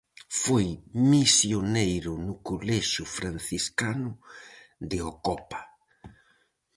Foi misioneiro no colexio franciscano de Ocopa.